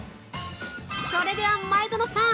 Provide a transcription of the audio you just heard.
◆それでは前園さん。